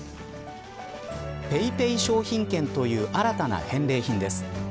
ＰａｙＰａｙ商品券という新たな返礼品です。